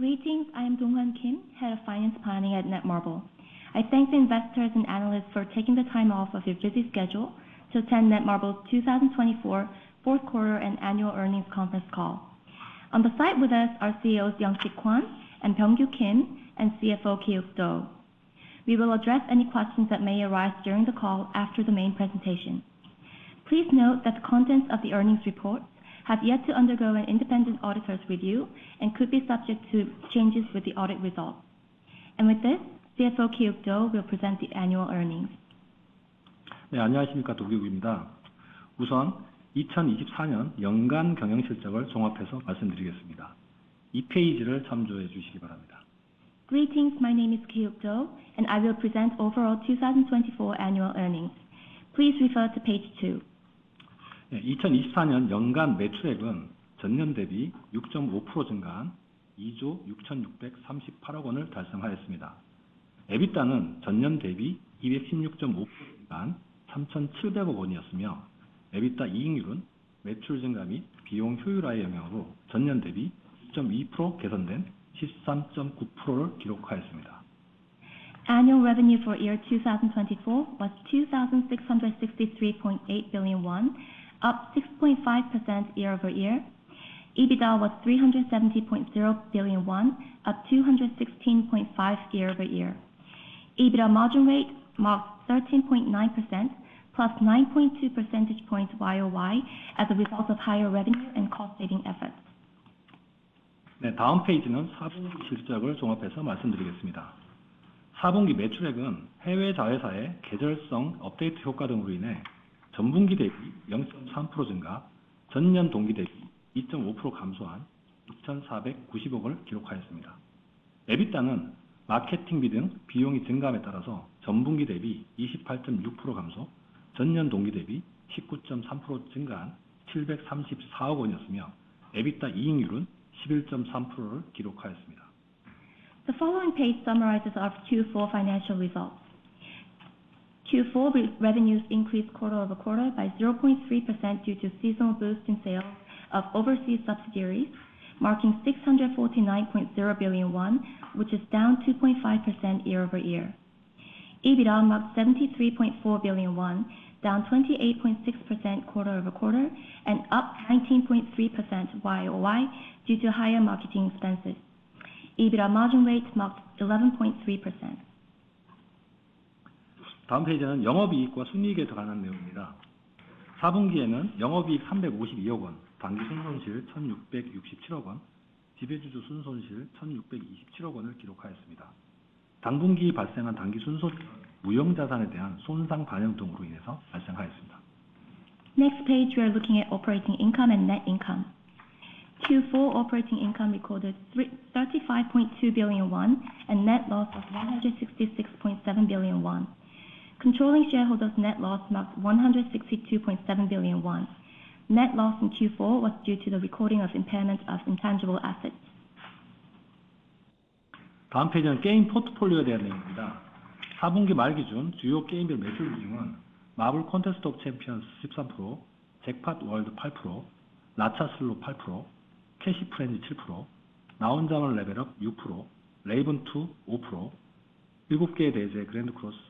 Greetings. I am Dong Hwan Kim, Head of Finance Planning at Netmarble. I thank the investors and analysts for taking the time off of your busy schedule to attend Netmarble's twenty twenty four fourth quarter and annual earnings conference call. On the site with us are CEOs, Yongsi Kwan and Pyong Kyo Kim and CFO, Kyung Do. We will address any questions that may arise during the call after the main presentation. Please note that the contents of the earnings report have yet to undergo an independent auditors review and could be subject to changes with the audit results. And with this, CFO, Kyub Dou will present the annual earnings. Greetings. My name is Kyuk Do, and I will present overall 2024 annual earnings. Please refer to Page two. Annual revenue for year 2024 was KRW 2,663,800,000,000.0, up 6.5% year over year. EBITDA was 370,000,000,000 won, up 216,500,000,000.0 year over year. EBITDA margin rate marked 13.9% plus 9.2 percentage points Y o Y as a result of higher revenue and cost saving efforts. The following page summarizes our Q4 financial results. Q4 revenues increased quarter over quarter by 0.3% due to seasonal boost in sales of overseas subsidiaries, marking 649.0 billion won, which is down 2.5% year over year. EBITDA marked 73,400,000,000.0 won, down 28.6% quarter over quarter and up 19.3% year over year due to higher marketing expenses. EBITDA margin rate marked 11.3%. Next page, we are looking at operating income and net income. Q4 operating income recorded 35,200,000,000.0 won and net loss of 166,700,000,000.0 won. Controlling shareholders' net loss marked 162,700,000,000.0 won. Net loss in Q4 was due to the recording of impairment of intangible assets. Next page, we're looking at game portfolios. At Q4 end, we're seeing a diversified portfolio of game titles, evenly generating revenue with Marvel Contest of Champions, marking 13% of the total revenue, followed by Jackpot World, 8% Lots of Slot 8% Cash Frenzy 7% Solo Leveling Arise 6% Raven 25% and Seven Deadly Sins Grand Cross 5%.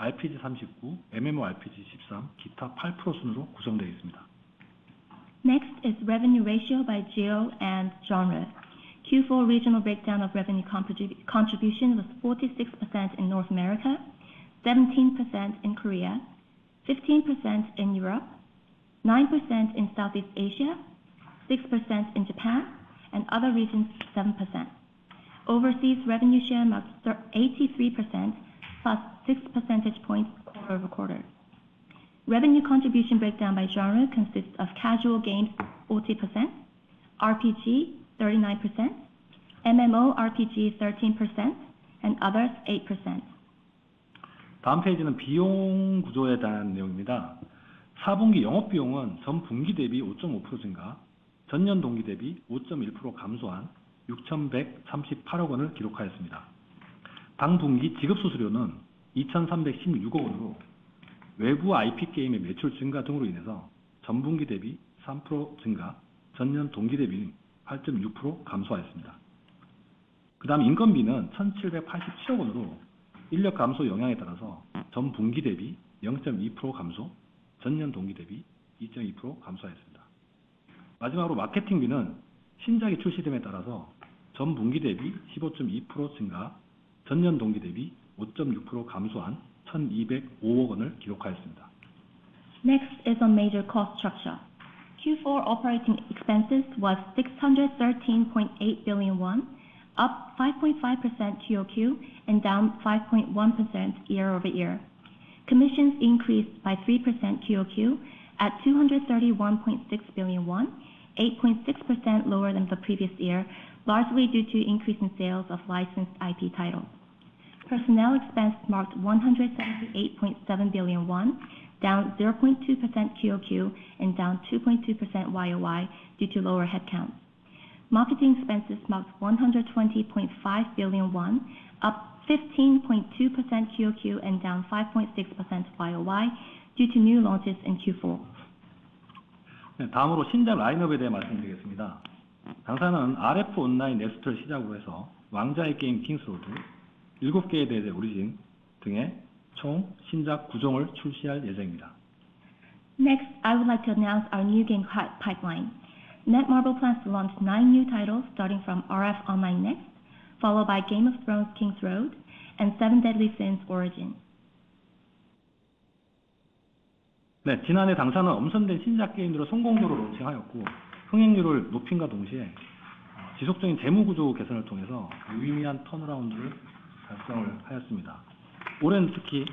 Next is revenue ratio by Jio and Genre. Q4 regional breakdown of revenue contribution was 46% in North America, 17 Percent in Korea, Fifteen Percent in Europe, 9 Percent in Southeast Asia, 6 Percent in Japan and other regions 7%. Overseas revenue share marked 83% plus six percentage points quarter over quarter. Revenue contribution breakdown by genre consists of casual gains 40%, RPG 39%, MMORPG 13 and others 8%. Next is on major cost structure. Q4 operating expenses was 613,800,000,000.0 won, up 5.5% QoQ and down 5.1% year over year. Commissions increased by 3% QoQ at KRW 231,600,000,000.0, 8 point 6 percent lower than the previous year, largely due to increase in sales of licensed IP title. Personnel expense marked KRW 178,700,000,000.0, down 0.2% Q on Q and down 2.2% Y o Y due to lower headcount. Marketing expenses marked 120.5 billion won, up 15.2% Q o Q and down 5.6% Y o Y due to new launches in Q4. Next, I would like to announce our new game cut pipeline. Netmarble plans to launch nine new titles starting from RF Online Next, followed by Game of Thrones: Kings Road and Seven Deadly Sins Origin.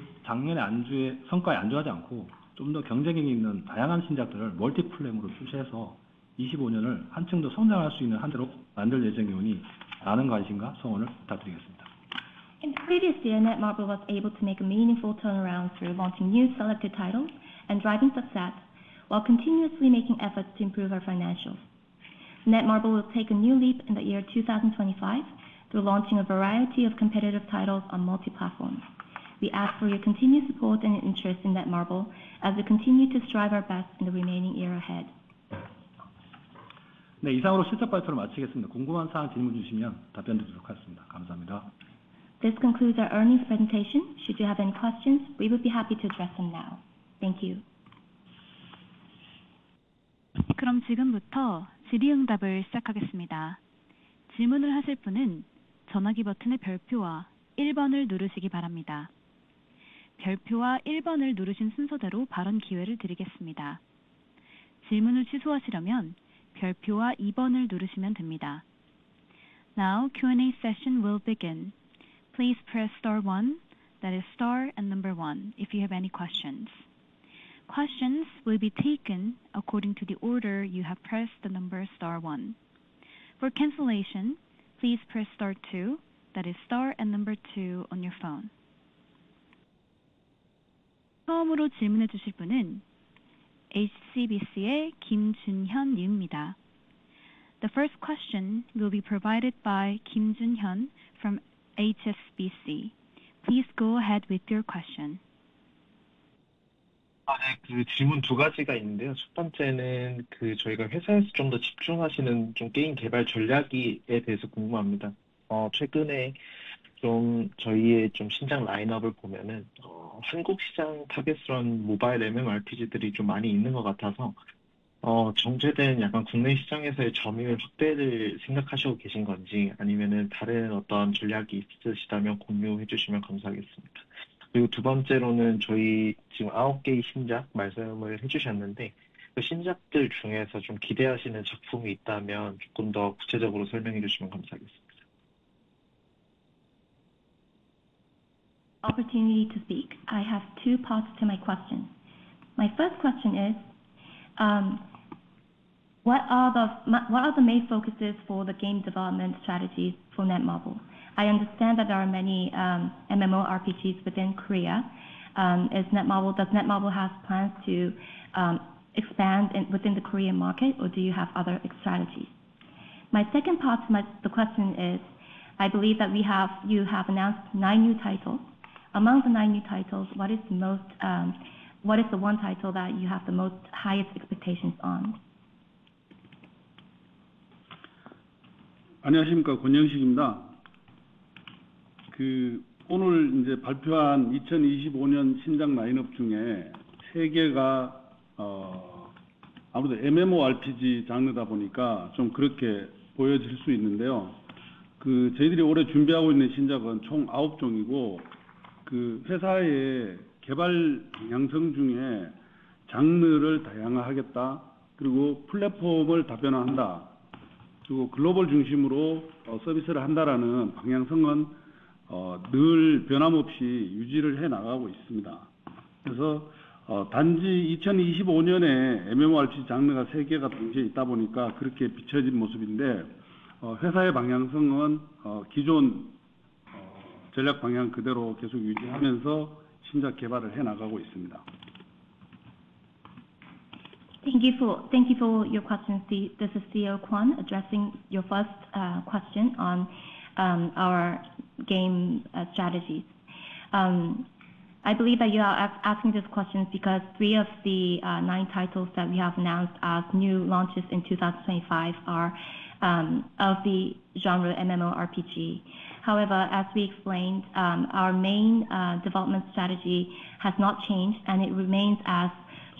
In previous year, Netmarble was able to make a meaningful turnaround through launching new selected titles and driving success, while continuously making efforts to improve our financials. Netmarble will take a new leap in the year 2025 through launching a variety of competitive titles on multi platforms. We ask for your continued support and interest in Netmarble as we continue to strive our best in the remaining year ahead. This concludes our earnings presentation. Should you have any questions, we would be happy to address them now. Thank you. Now Q and A session will begin. The first question will be provided by Kim Jun Hyun from HSBC. Please go ahead with your question. I have two parts to my question. My first question is, what are the main focuses for the game development strategies for Netmarble? I understand that there are many MMORPGs within Korea. Is Net Mobile does Net Mobile have plans to expand within the Korean market? Or do you have other strategies? My second part to my question is, I believe that we have you have announced nine new titles. Among the nine new titles, what is the one title that you have the most highest expectations on? Thank you for your questions. This is Theo Kwan addressing your first question on our game strategies. I believe that you are asking this question because three of the nine titles that we have announced as new launches in 2025 are of the genre MMORPG. However, as we explained, our main development strategy has not changed, and it remains as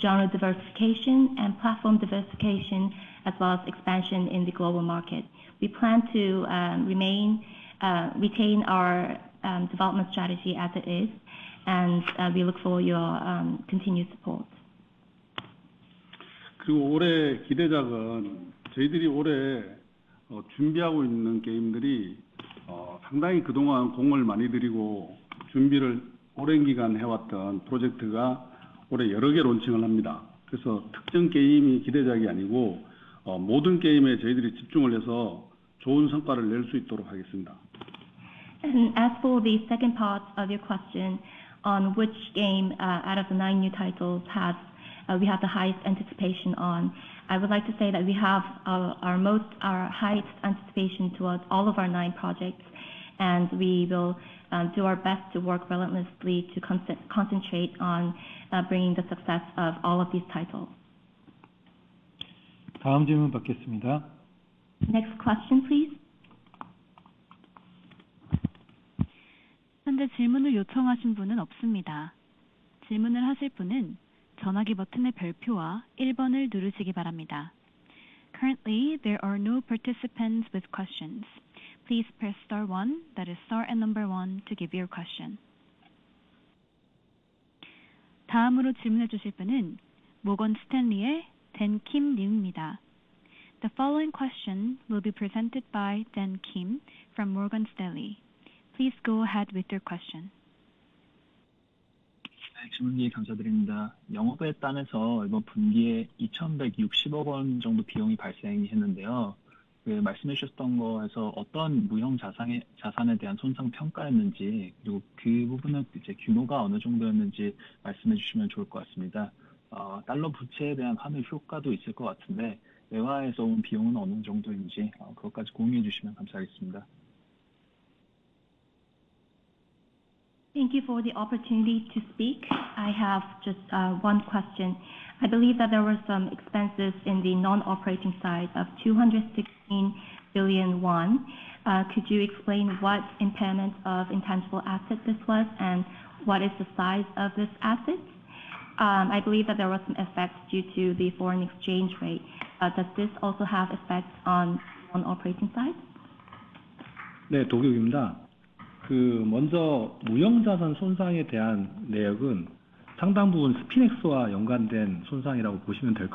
genre diversification and platform diversification as well as expansion in the global market. We plan to remain retain our development strategy as it is, and we look for your continued support. As for the second part of your question on which game out of the nine new titles has we have the highest anticipation on. I would like to say that we have our most our highest anticipation towards all of our nine projects, and we will do our best to work relentlessly to concentrate on bringing the success of all of these titles. Next question please. The following question will be presented by Dan Kim from Morgan Stanley. Please go ahead with your question. Thank you for the opportunity to speak. I have just one question. I believe that there were some expenses in the non operating side of KRW216 billion. Could you explain what impairment of intangible asset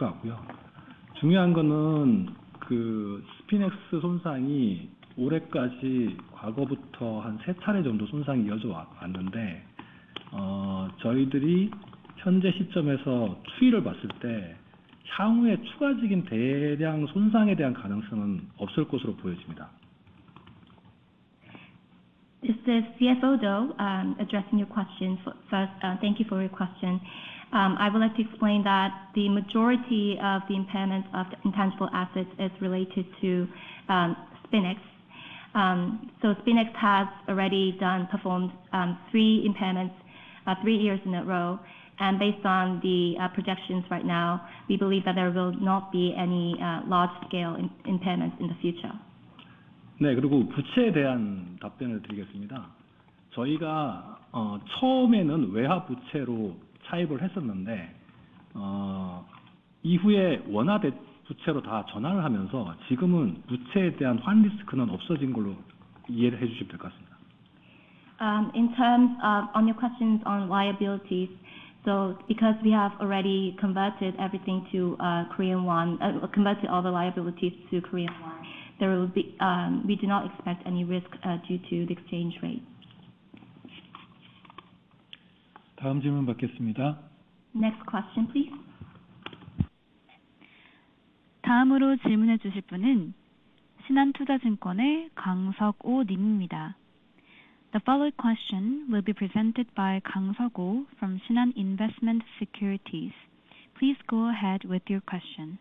this was? And what is the size of this asset? I believe that there was some effects due to the foreign exchange rate. Does this also have effects on operating side? Is the CFO though addressing your question? Thank you for your question. I would like to explain that the majority of the impairments of intangible assets is related to spinnex. So spinnex has already done performed three impairments three years in a row. And based on the projections right now, we believe that there will not be any large scale impairments in the future. In terms of on your questions on liabilities, so because we have already converted everything to Korean won converted all the liabilities to Korean won, there will be we do not expect any risk due to the exchange rate. Next question please. The following question will be presented by Kang Sago from Sinan Investment Securities. Please go ahead with your question.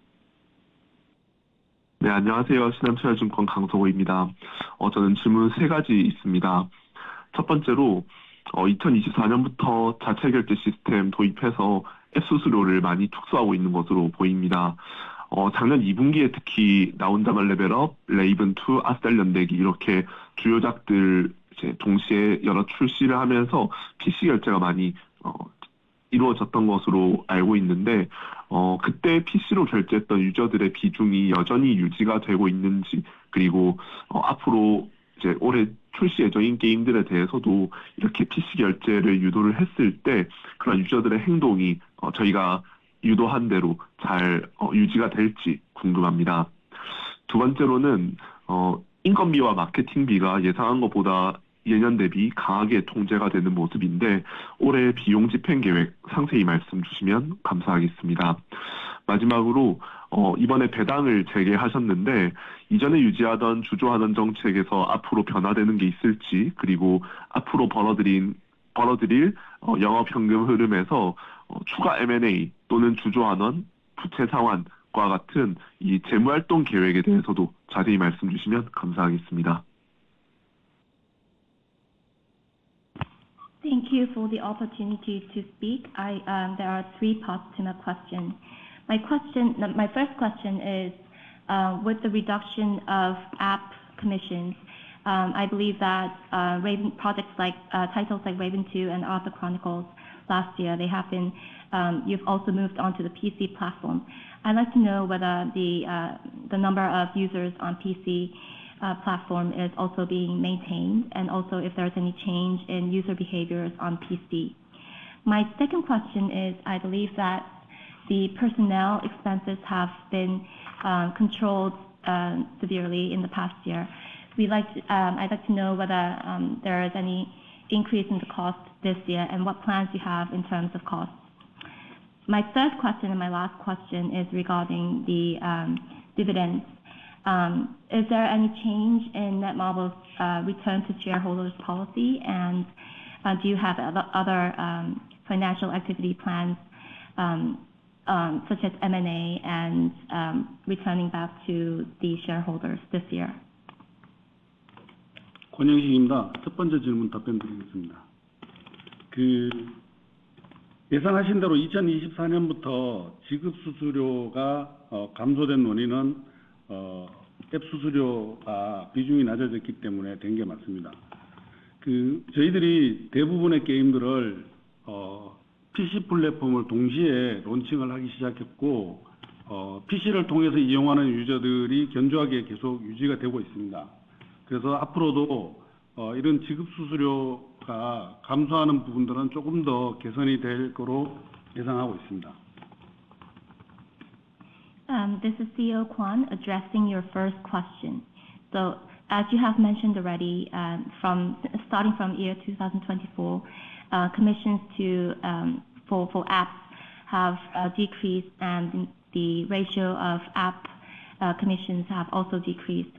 Thank you for the opportunity to speak. There are three parts to my question. My first question is with the reduction of app commissions. I believe that products like titles like Raven two and Arthur Chronicles last year, they have been you've also moved on to the PC platform. I'd like to know whether the number of users on PC platform is also being maintained and also if there is any change in user behaviors on PC. My second question is, I believe that the personnel expenses have been controlled severely in the past year. We'd like to I'd like to know whether there is any increase in the cost this year and what plans you have in terms of costs. My third question and my last question is regarding the dividends. Is there any change in Netmarble's return to shareholders policy? And do you have other financial activity plans such as M and A and returning back to the shareholders this year? This is CEO Kwan addressing your first question. So as you have mentioned already, starting from year 2024, commissions to for apps have decreased and the ratio of app commissions have also decreased.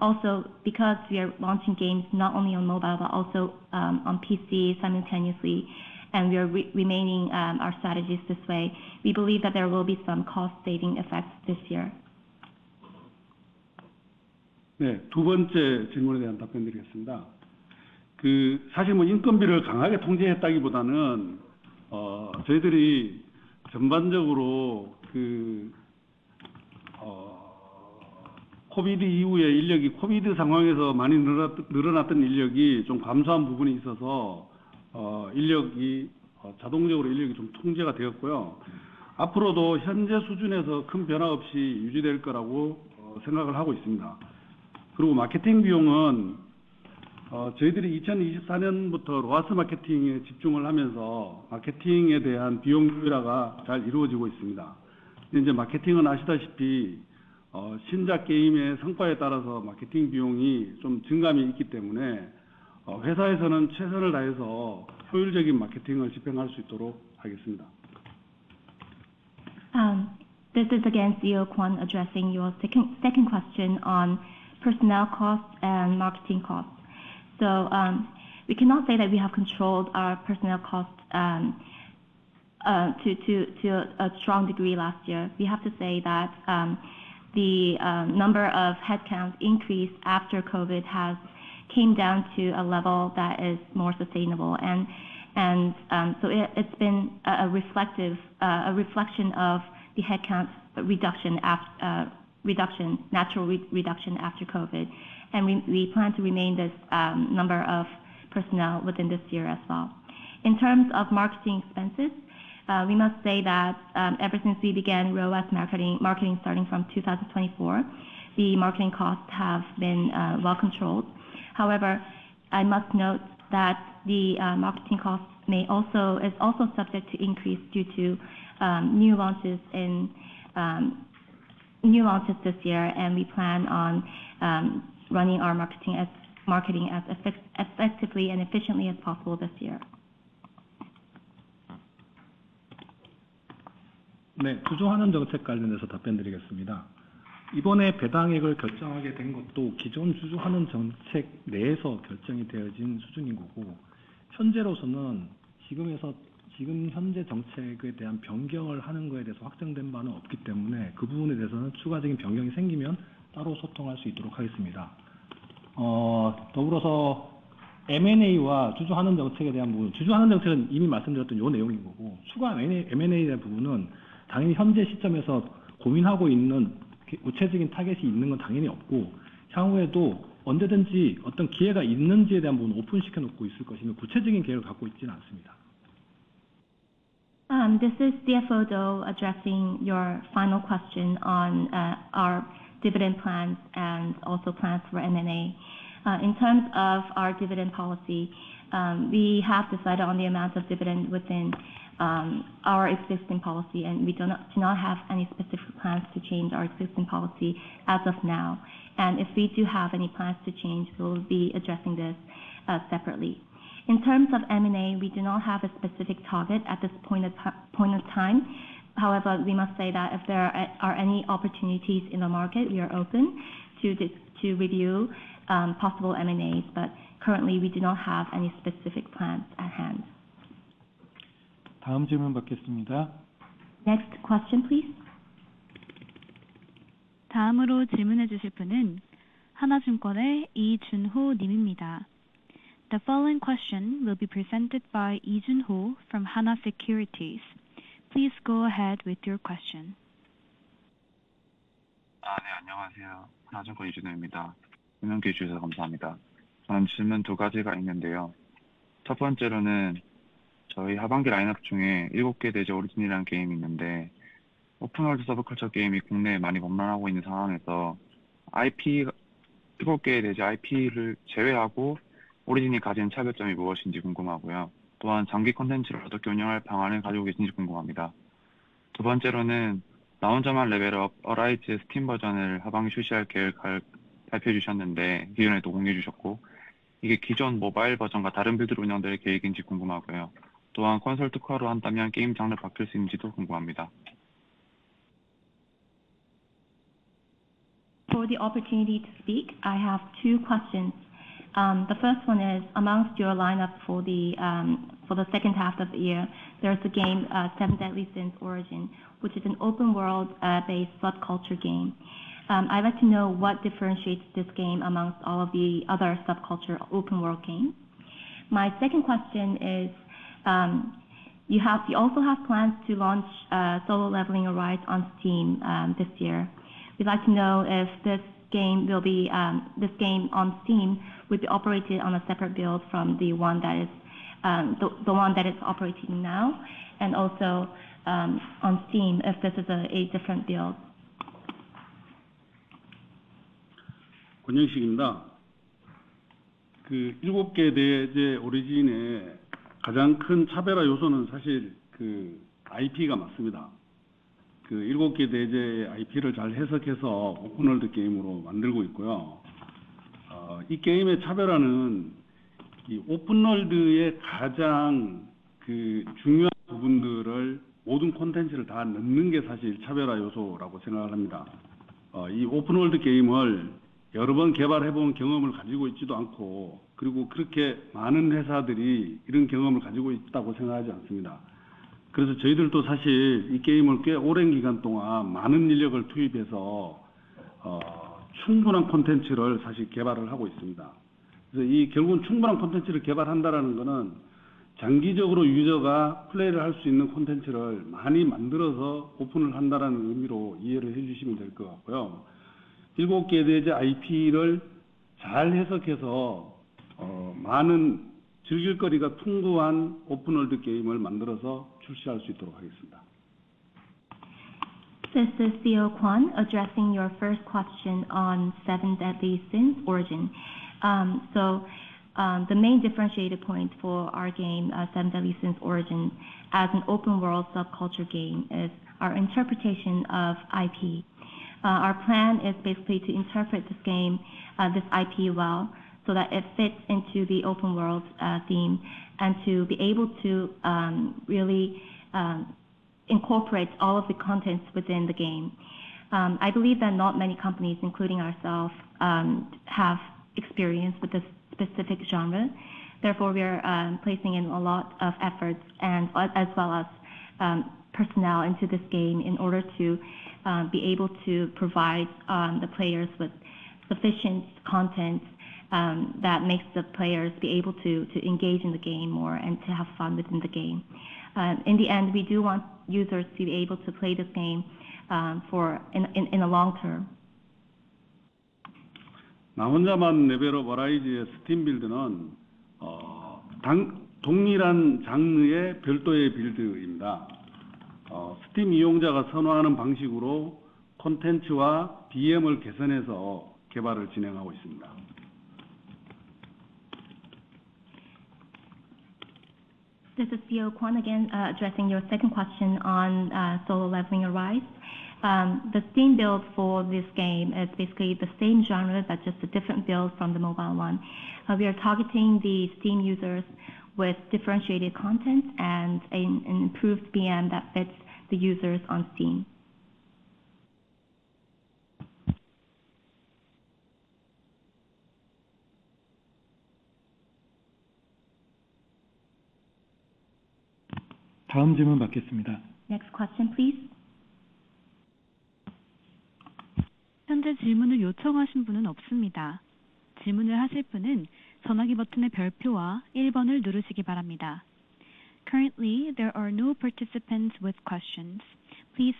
Also because we are launching games not only on mobile, but also on PC simultaneously and we are remaining our strategies this way, we believe that there will be some cost saving effects this year. This is again Theo Kwan addressing your second question on personnel costs and marketing costs. So we cannot say that we have controlled our personnel costs to a strong degree last year. We have to say that the number of headcounts increased after COVID has came down to a level that is more sustainable. And so it's been a reflective a reflection of the headcount reduction natural reduction after COVID. And we plan to remain this number of personnel within this year as well. In terms of marketing expenses, we must say that ever since we began ROAS marketing starting from 2024, the marketing costs have been well controlled. However, I must note that the marketing costs may also is also subject to increase due to new launches in new launches this year, and we plan on running our marketing marketing as effectively and efficiently as possible this year. This is DFO addressing your final question on our dividend plans and also plans for M and A. In terms of our dividend policy, we have decided on the amount of dividend within our existing policy, and we do not have any specific plans to change our existing policy as of now. And if we do have any plans to change, we'll be addressing this separately. In terms of M and A, we do not have a specific target at this point of time. However, we must say that if there are any opportunities in the market, we are open to review possible M and A. But currently, we do not have any specific plans at hand. Next question please. The following question will be presented by Yee Zun Ho from Hana Securities. Please go ahead with your question. For the opportunity to speak, I have two questions. The first one is amongst your lineup for the second half of the year, there is a game, Seven Deadly Sins Origin, which is an open world based subculture game. I'd like to know what differentiates this game amongst all of the other subculture open world games? My second question is, you have you also have plans to launch solo leveling Arise on Steam this year. We'd like to know if this game will be this game on Steam would be operated on a separate build from the one that is operating now and also on Steam if this is a different build. This is Theo Kwan addressing your first question on seven Deadly Sins Origin. So the main differentiated point for our game seven Deadly Sins Origin as an open world subculture game is our interpretation of IP. Our plan is basically to interpret this game this IP well so that it fits into the open world theme and to be able to really incorporate all of the contents within the game. I believe that not many companies, including ourselves, have experience with this specific genre. Therefore, we are placing in a lot of efforts and as well as personnel into this game in order to be able to provide the players with sufficient content that makes the players be able to engage in the game more and to have fun within the game. In the end, we do want users to be able to play this game for in a long term. This is Theo Kwan again addressing your second question on Solo: Gathering Arise. The Steam build for this game is basically the same genre, but just a different build from the mobile one. We are targeting the Steam users with differentiated content and an improved VM that fits the users on Steam. Next question please. Currently, there are no participants with questions. The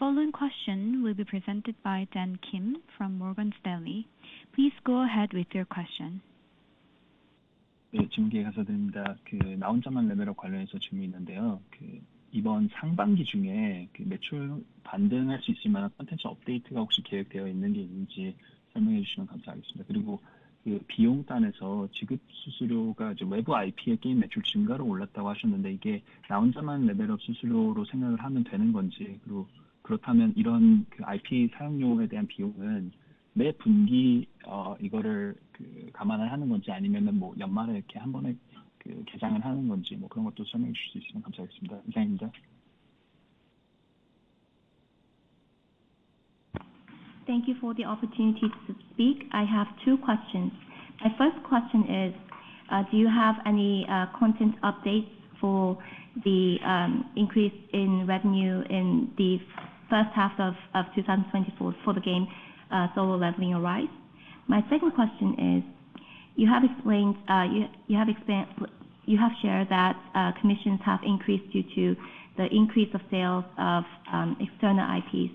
following question will be presented by Dan Kim from Morgan Stanley. Please go ahead with your question. Thank you for the opportunity to speak. I have two questions. My first question is, do you have any content updates for the increase in revenue in the first half of twenty twenty four for the game, solar leveling arise. My second question is, you have explained you have shared that commissions have increased due to the increase of sales of external IPs.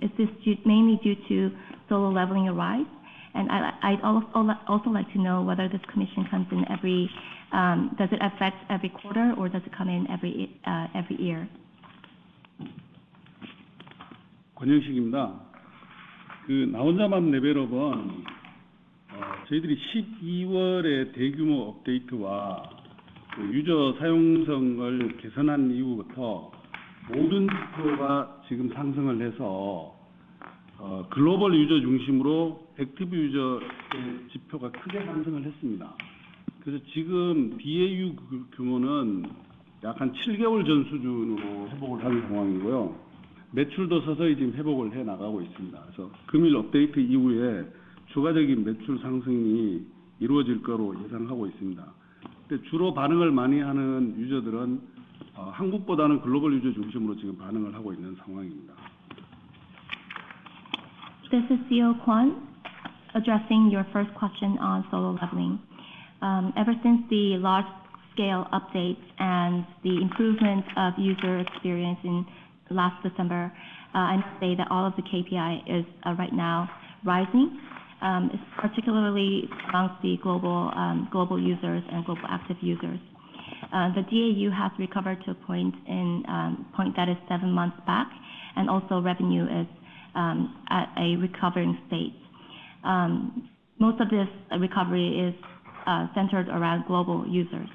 Is this mainly due to solar leveling arise? And I'd also like to know whether this commission comes in every does it affect every quarter or does it come in every year? This is Siew Kwan addressing your first question on solo leveling. Ever since the large scale updates and the improvement of user experience in last December, I'd say that all of the KPI is right now rising, particularly amongst the global users and global active users. The DAU has recovered to a point in point that is seven months back and also revenue is at a recovering state. Most of this recovery is centered around global users.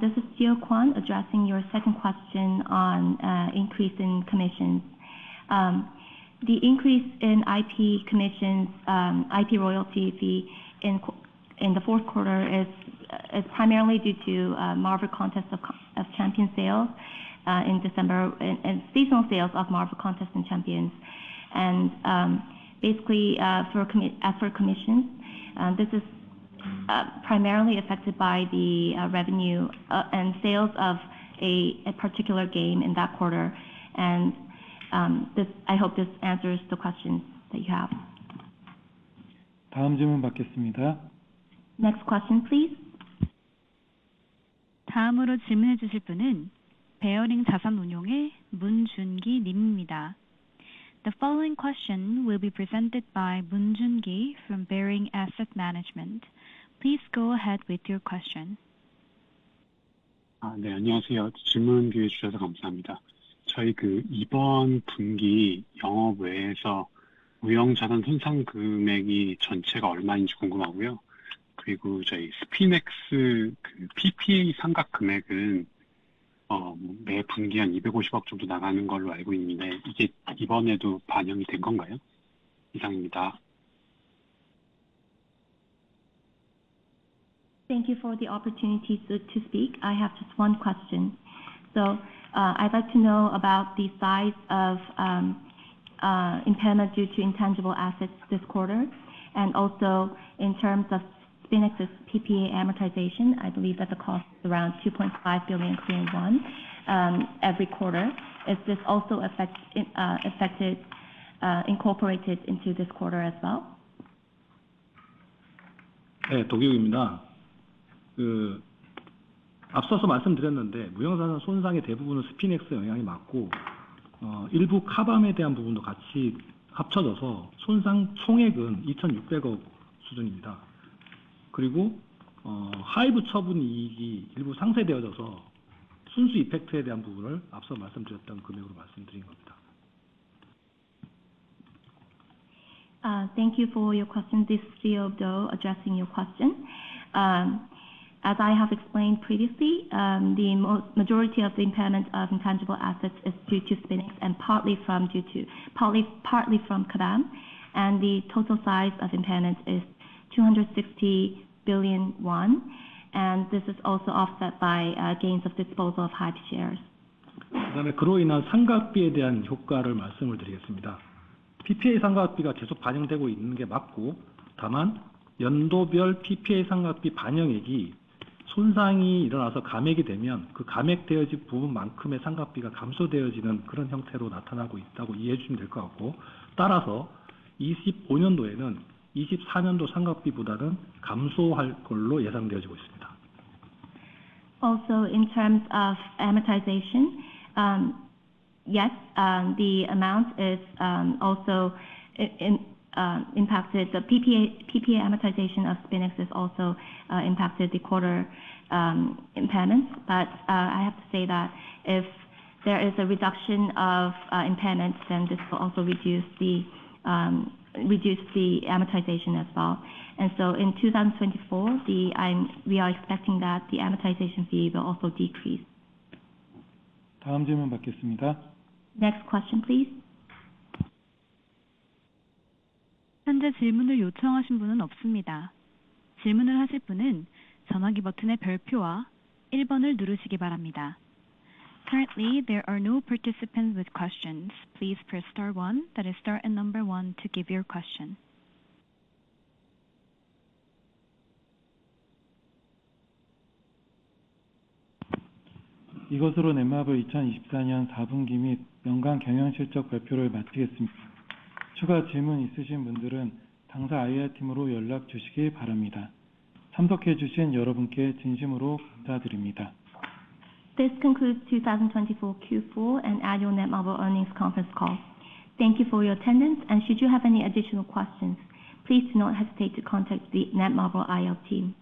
This is Seo Kwon addressing your second question on increase in commissions. The increase in IP commissions, IP royalty fee in the fourth quarter is primarily due to Marvel Contest of Champion sales in December and seasonal sales of Marvel Contest and Champions. And basically, for commission, this is primarily affected by the revenue and sales of a particular game in that quarter. And I hope this answers the questions that you have. Next question please. The following question will be presented by Boonjun Gi from Barring Asset Management. Please go ahead with your question. Thank you for the opportunity to speak. I have just one question. So I'd like to know about the size of impairment due to intangible assets this quarter And also in terms of Spinex's PPA amortization, I believe that the cost is around 2,500,000,000.0 every quarter. Is this also affected incorporated into this quarter as well? Thank you for your question. This is Theo Do addressing your question. As I have explained previously, the majority of the impairment of intangible assets is due to Spinix and partly from due to partly from Kadam. And the total size of impairment is KRW $260,000,000,000. And this is also offset by gains of disposal of Hyatt shares. Also in terms of amortization, yes, the amount is also impacted the PPA amortization of SPINX has also impacted the quarter impairment. But I have to say that if there is a reduction of impairments, then this will also reduce reduced the amortization as well. And so in 2024, the we are expecting that the amortization fee will also decrease. Next question please. Currently, there are no participants with questions. This concludes twenty twenty four Q4 and Agile Netmarble earnings conference call. Thank you for your attendance. And should you have any additional questions, please do not hesitate to contact the Netmarble IL team.